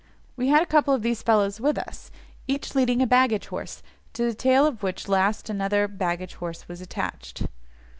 We had a couple of these fellows with us, each leading a baggage horse, to the tail of which last another baggage horse was attached.